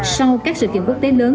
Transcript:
sau các sự kiện quốc tế lớn